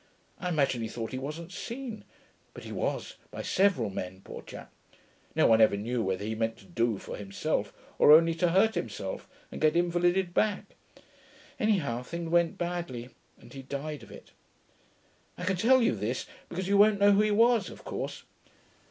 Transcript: I imagine he thought he wasn't seen, but he was, by several men, poor chap. No one ever knew whether he meant to do for himself, or only to hurt himself and get invalided back; anyhow things went badly and he died of it.... I can tell you this, because you won't know who he was, of course....'